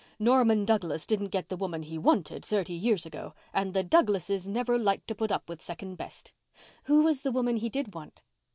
Norman Douglas didn't get the woman he wanted thirty years ago and the Douglases never liked to put up with second best." "Who was the woman he did want."